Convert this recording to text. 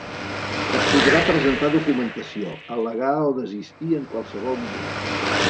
Es podrà presentar documentació, al·legar o desistir en qualsevol moment.